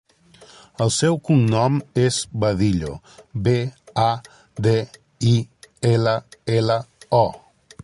El seu cognom és Badillo: be, a, de, i, ela, ela, o.